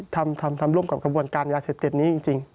ทำร่วมกับกระบวนการยาเศรษฐ์เด็ดนี้จริง